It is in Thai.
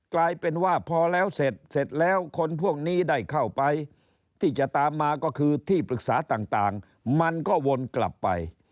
กลายเป็นว่าพอแล้วเสร็จเสร็จแล้วคนพวกนี้ได้เข้าไปที่จะตามมาก็คือที่ปรึกษาต่างมันก็วนกลับไป